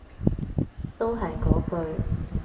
都係嗰句